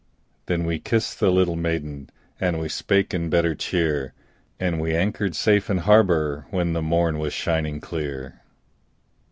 Then we kissed the little maiden, And we spake in better cheer, And we anchored safe in harbor When the morn was shining clear.